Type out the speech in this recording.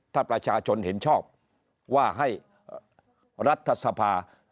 ถ้าประชาชนเห็นชอบว่าให้รัฐสภา